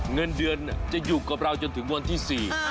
เงินเดือนจะอยู่กับเราจนถึงวันที่๔